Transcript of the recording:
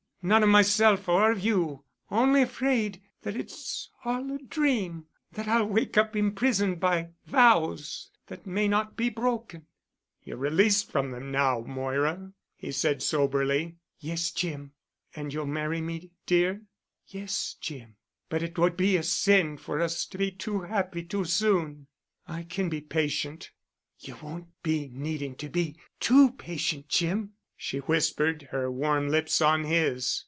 Not of myself or of you. Only afraid that it's all a dream—that I'll wake up imprisoned by vows that may not be broken——" "You're released from them now, Moira," he said soberly. "Yes, Jim." "And you'll marry me, dear?" "Yes, Jim. But it would be a sin for us to be too happy too soon." "I can be patient——" "You won't be needing to be too patient, Jim," she whispered, her warm lips on his.